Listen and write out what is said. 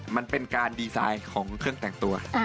มันเป็นการดีไซน์ของเครื่องแต่งตัว